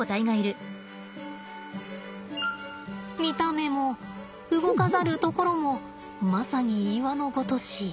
見た目も動かざるところもまさに岩のごとし。